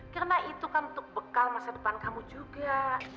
karena itu kan untuk bekal masa depan kamu juga